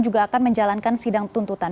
juga akan menjalankan sidang tuntutan